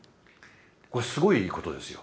これすごいことですよ。